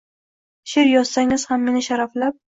She’r yozsangiz ham meni sharaflab